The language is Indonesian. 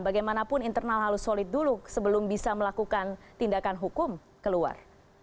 bagaimanapun internal harus solid dulu sebelum bisa melakukan tindakan hukum keluar